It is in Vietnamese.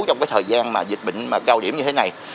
trong thời gian dịch bệnh cao điểm như thế này